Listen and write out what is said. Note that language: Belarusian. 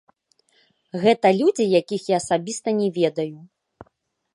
Гэта людзі, якіх я асабіста не ведаю.